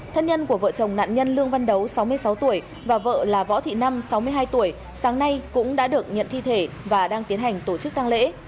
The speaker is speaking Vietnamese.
thân nhân của vợ chồng nạn nhân lương văn đấu sáu mươi sáu tuổi và vợ là võ thị năm sáu mươi hai tuổi sáng nay cũng đã được nhận thi thể và đang tiến hành tổ chức tăng lễ